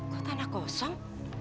kau tanah kosong